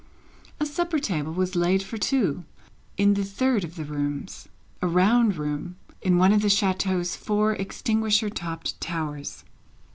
A supper table was laid for two, in the third of the rooms; a round room, in one of the chateau's four extinguisher topped towers.